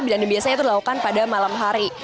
dan biasanya itu dilakukan pada malam hari